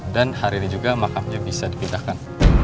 dan hari ini juga makamnya bisa dipindahkan